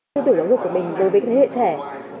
tư tưởng giáo dục của mình đối với thế hệ trẻ